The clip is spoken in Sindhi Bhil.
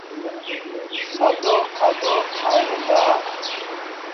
سآدو کآدو کائيٚݩ دآ۔